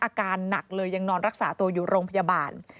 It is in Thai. อาการหนักเลยยังนอนรักษาตัวอยู่โรงพยาบาล